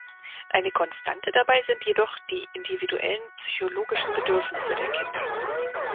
Eine Konstante dabei sind jedoch die individuellen psychologischen Bedürfnisse der Kinder.